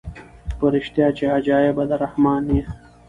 په ریشتیا چي عجایبه د رحمان یې